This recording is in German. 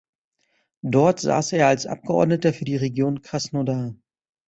Dort saß er als Abgeordneter für die Region Krasnodar.